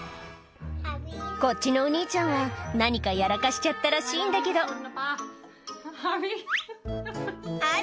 こっちのお兄ちゃんは何かやらかしちゃったらしいんだけどあら